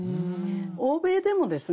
欧米でもですね